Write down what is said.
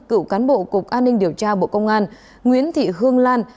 cựu cán bộ cục an ninh điều tra bộ công an nguyễn thị hương lan